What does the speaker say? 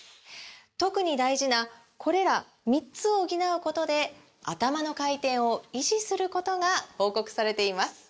特に大事なこれら３つを補うことでアタマの回転を維持することが報告されています